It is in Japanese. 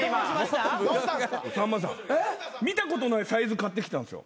さんまさん見たことないサイズ買ってきたんですよ。